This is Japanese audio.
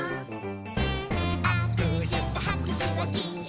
「あくしゅとはくしゅはきっと」